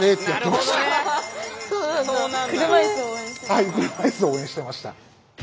はい車いすを応援してました。